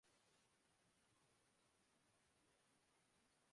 time magazine نے اپنے ستمبر کے شمارے میں انکشاف کیا